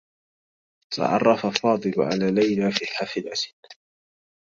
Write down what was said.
تعرّف فاضل على ليلى في حافلة.